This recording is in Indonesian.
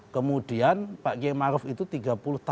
kemudian pak kiai maruf itu tiga puluh tahun aktif di lembaga